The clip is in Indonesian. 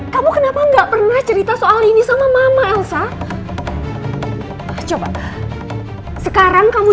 kamu kenapa enggak pernah cerita soal ini sama mama elsa coba sekarang kamu